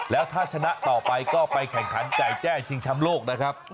แล้วถ้าชนะต่อไปก็ไปแข่งขันไก่แจ้ชิงช้ำโลกนะครับ